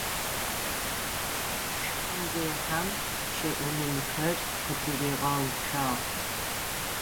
Шхынзехьэм щэӏумылхэр къытыригъэуцуагъ.